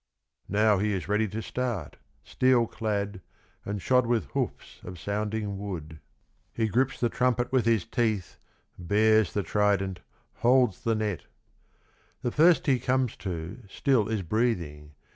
Now he is ready to start, steel clad, and shod with hoofs of sounding wood. He grips the trumpet with his teeth, bares the trident, holds the net. The first he comes to still is breathing.